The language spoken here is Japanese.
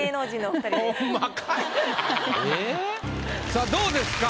さぁどうですか？